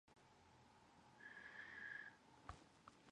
何度も繰り返して本を読むこと。また熱心に学問することのたとえ。